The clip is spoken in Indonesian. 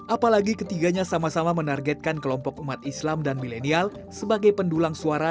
apalagi ketiganya sama sama menargetkan kelompok umat islam dan milenial sebagai pendulang suara